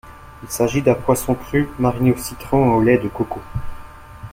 Il s'agit d'un poisson cru mariné au citron et au lait de coco.